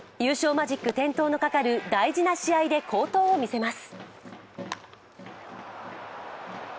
マジック点灯のかかる大事な試合で好投を見せます。